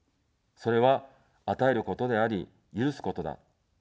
それは与えることであり、許すことだ。